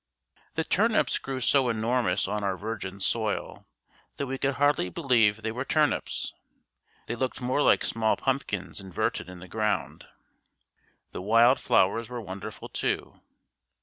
The turnips grew so enormous on our virgin soil that we could hardly believe they were turnips. They looked more like small pumpkins inverted in the ground. The wild flowers were wonderful too.